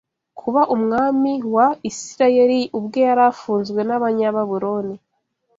Kuba umwami wa Isirayeli ubwe yari afunzwe n’Abanyababuloni